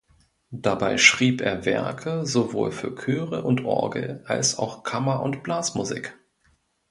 Dabei schrieb er Werke sowohl für Chöre und Orgel als auch Kammer- und Blasmusik.